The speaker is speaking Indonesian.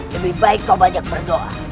lebih baik kau banyak berdoa